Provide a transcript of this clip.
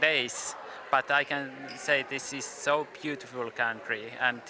tapi saya bisa mengatakan bahwa ini adalah negara yang sangat indah